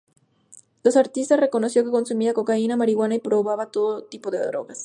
La artista reconoció que consumía cocaína, marihuana y probaba todo tipo de drogas.